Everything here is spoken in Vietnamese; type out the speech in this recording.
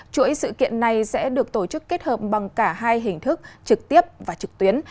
chuỗi sự kiện này sẽ được tổ chức kết hợp bằng cả hai hình thức trực tiếp và trực tuyến